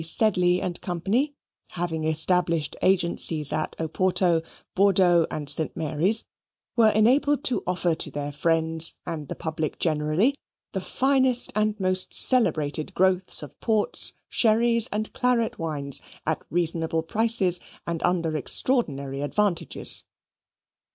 Sedley and Company, having established agencies at Oporto, Bordeaux, and St. Mary's, were enabled to offer to their friends and the public generally the finest and most celebrated growths of ports, sherries, and claret wines at reasonable prices and under extraordinary advantages.